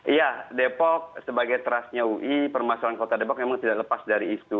iya depok sebagai trustnya ui permasalahan kota depok memang tidak lepas dari isu